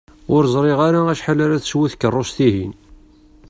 Ur ẓriɣ ara acḥal ara teswu tkerrust-ihin.